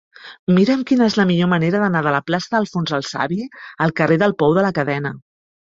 Mira'm quina és la millor manera d'anar de la plaça d'Alfons el Savi al carrer del Pou de la Cadena.